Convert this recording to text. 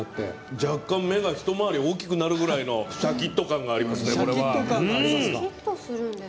若干、目が、一回り大きくなるぐらいのしゃきっと感がありますね。